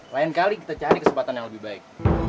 lain kali kita cari kesempatan yang lebih baik